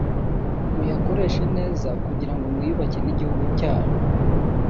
muyakoreshe neza kugira ngo mwiyubake n’igihugu cyanyu